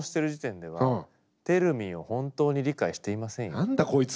何だこいつ。